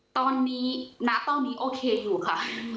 ตอนนี้ณตอนนี้โอเคอยู่ค่ะ